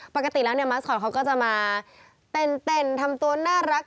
ปกติแล้วเนี่ยมัสคอตเขาก็จะมาเต้นทำตัวน่ารัก